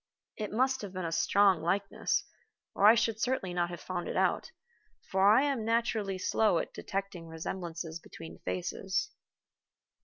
It must have been a strong likeness, or I should certainly not have found it out, for I am naturally slow at detecting resemblances between faces.